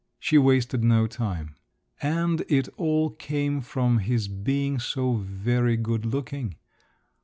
She wasted no time. And it all came from his being so very good looking!